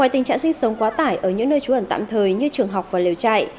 tình trạng sinh sống quá tải ở những nơi trú ẩn tạm thời như trường học và liều chạy